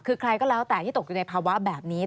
ใครก็ตกอยู่ในภาวะแบบนี้